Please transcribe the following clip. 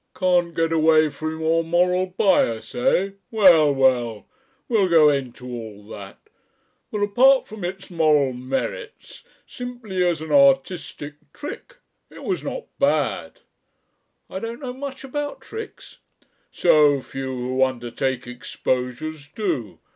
"Can't get away from your moral bias, eh? Well, well. We'll go into all that. But apart from its moral merits simply as an artistic trick it was not bad." "I don't know much about tricks " "So few who undertake exposures do.